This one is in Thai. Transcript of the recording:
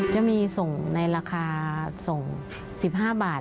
จะมีส่งในราคาส่ง๑๕บาท